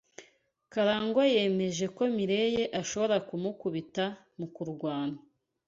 Karangwa yemeje ko Mirelle ashobora kumukubita mu kurwana.